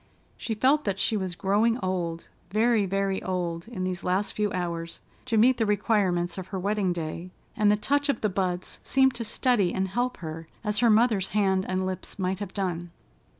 She felt that she was growing old, very, very old, in these last few hours, to meet the requirements of her wedding day, and the touch of the buds seemed to steady and help her, as her mother's hand and lips might have done.